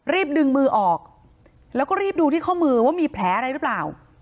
ดึงมือออกแล้วก็รีบดูที่ข้อมือว่ามีแผลอะไรหรือเปล่า